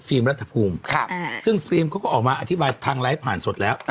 ฟรีมลัดทธภูมิซึ่งฟรีมก็ออกมาอธิบายทางไลฟ์ผ่านสดแล้ว